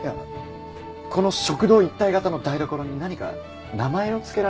この食堂一体型の台所に何か名前を付けられませんかね。